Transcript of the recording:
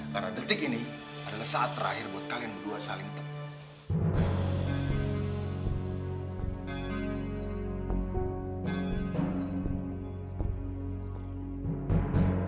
karena detik ini adalah saat terakhir buat kalian berdua saling ketemu